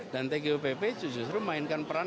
dan tgupp justru mainkan peran